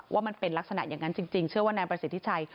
ว่ามันเป็นลักษณะอย่างนั้นจริงเชื่อว่านายประสิทธิชัย